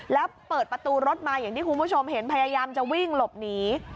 แล้วเปิดประตูรถมาอย่างที่คุณผู้ชมเห็นพยายามจะวิ่งหลบหนี